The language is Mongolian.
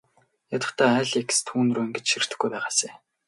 Ядахдаа Алекс түүнрүү ингэж ширтэхгүй байгаасай.